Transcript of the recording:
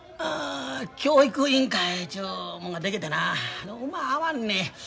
教育委員会ちゅうもんが出来てなウマ合わんねや。